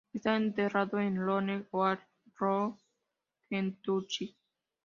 Está enterrado en Lone Oak Road, Kentucky.